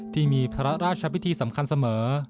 ที่มีพระราชพิธีสำคัญเสมอ